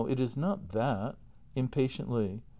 It is not that. [Impatiently.